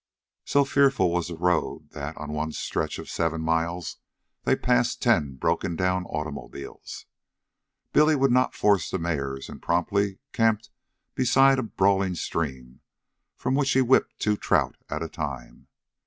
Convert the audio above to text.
So fearful was the road, that, on one stretch of seven miles, they passed ten broken down automobiles. Billy would not force the mares and promptly camped beside a brawling stream from which he whipped two trout at a time.